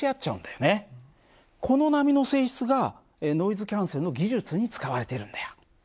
この波の性質がノイズキャンセルの技術に使われているんだよ。